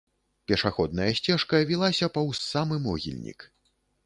Пешаходная сцежка вілася паўз самы могільнік.